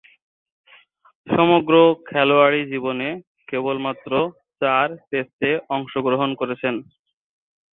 সমগ্র খেলোয়াড়ী জীবনে কেবলমাত্র চার টেস্টে অংশগ্রহণ করেছেন।